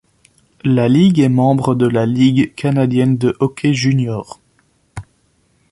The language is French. La ligue est membre de la Ligue canadienne de hockey junior.